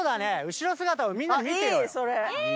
後ろ姿をみんな見てようよ。